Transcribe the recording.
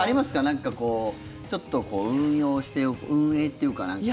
なんかこう、ちょっとこう運用していく運営っていうかなんか。